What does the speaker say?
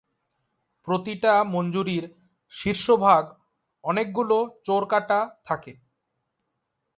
প্রতিটা মঞ্জুরির শীর্ষভাগ অনেকগুলো চোরকাঁটা থাকে।